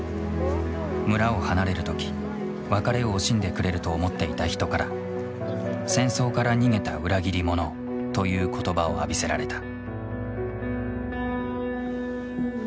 村を離れる時別れを惜しんでくれると思っていた人から「戦争から逃げた裏切り者」という言葉を浴びせられた。